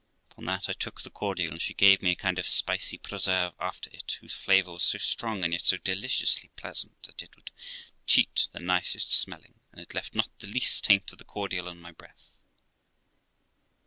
Upon that I took the cordial, and she gave me a kind of spicy preserve after it, whose flavour was so strong, and yet so deliciously pleasant, that it would cheat the nicest smelling, and it left not the least taint of the cordial on the breath.